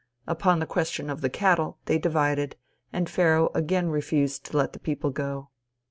Upon the question of the cattle, they divided, and Pharaoh again refused to let the people go.